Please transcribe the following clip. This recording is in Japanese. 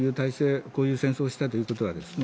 こういう戦争をしたということは。